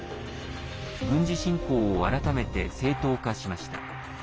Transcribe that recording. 軍事侵攻を改めて正当化しました。